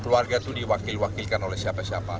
keluarga itu diwakil wakilkan oleh siapa siapa